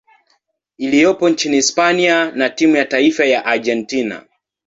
iliyopo nchini Hispania na timu ya taifa ya Argentina.